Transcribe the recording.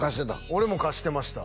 俺も貸してました